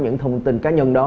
những thông tin cá nhân đó